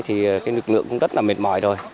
thì cái lực lượng cũng rất là mệt mỏi rồi